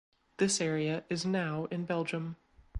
This area is now in Belgium.